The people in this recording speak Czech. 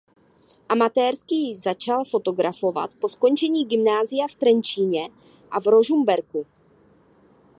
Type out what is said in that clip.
Amatérsky začal fotografovat po skončení gymnázia v Trenčíně a v Ružomberku.